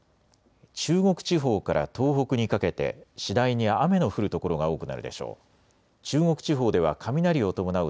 中国地方から東北にかけて次第に雨の降る所が多くなるでしょう。